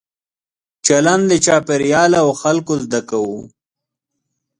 چلند له چاپېریال او خلکو زده کوو.